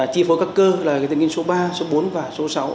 chi phối các cơ là dây thần kinh số ba số bốn và số sáu